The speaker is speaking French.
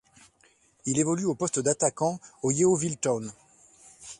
Il évolue au poste d'attaquant au Yeovil Town.